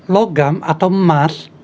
logam atau emas